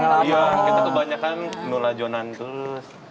iya kita kebanyakan nulajonan terus